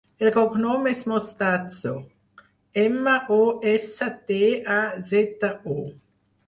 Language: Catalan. El cognom és Mostazo: ema, o, essa, te, a, zeta, o.